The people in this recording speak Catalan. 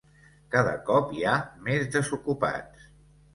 Cada cop hi ha més desocupats.